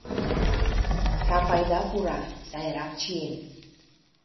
Сапайда пура, сайрак чиен.